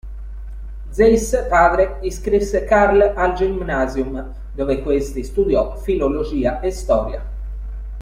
Zeiss padre iscrisse Carl al Gymnasium dove questi studiò filologia e storia.